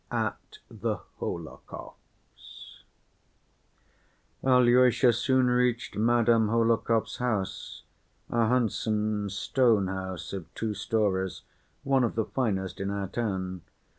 At The Hohlakovs' Alyosha soon reached Madame Hohlakov's house, a handsome stone house of two stories, one of the finest in our town.